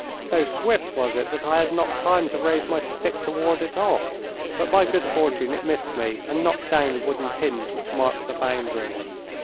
So swift was it that I had not time to raise my stick to ward it off, but by good fortune it missed me and knocked down the wooden pins which marked the boundary.